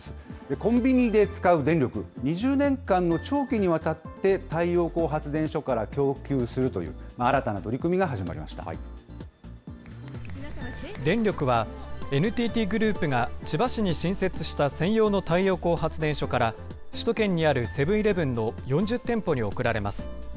コンビニで使う電力、２０年間の長期にわたって、太陽光発電所から供給するという、新たな取り組電力は、ＮＴＴグループが千葉市に新設した専用の太陽光発電所から、首都圏にあるセブンーイレブンの４０店舗に送られます。